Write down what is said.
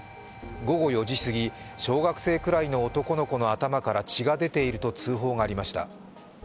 午後４時すぎ、小学生ぐらいの男の子の頭から血が出ていると通報がありました。